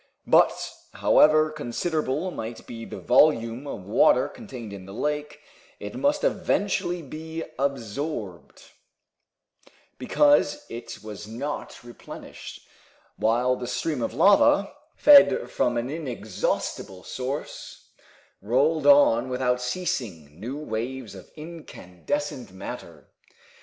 But, however considerable might be the volume of water contained in the lake, it must eventually be absorbed, because it was not replenished, while the stream of lava, fed from an inexhaustible source, rolled on without ceasing new waves of incandescent matter.